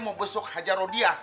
mau besok hajar rodia